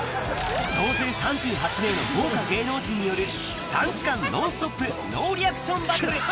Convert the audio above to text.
総勢３８名の豪か芸能人による３時間ノンストップノーリアクションバトル。